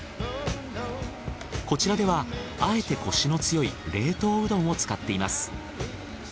こちらではあえてコシの強い冷凍うどんを使っています。